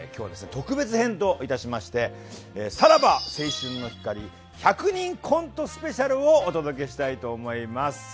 特別編といたしまして「さらば青春の光１００人コントＳＰ」をお届けしたいと思います。